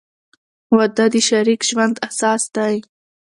• واده د شریک ژوند اساس دی.